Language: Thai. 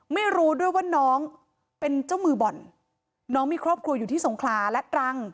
ไม่รู้ด้วยว่าน้องเป็นเจ้ามือบ่อนน้องมีครอบครัวอยู่ที่สงขลาและตรัง